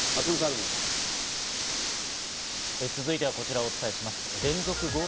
続いてはこちらをお伝えしていきます。